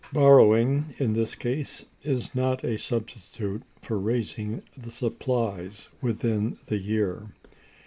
Borrowing, in this case, is not a substitute for raising the supplies within the year.